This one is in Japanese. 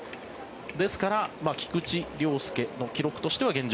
ですから菊池涼介の記録としては現状